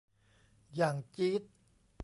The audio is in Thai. อย่างจี๊ด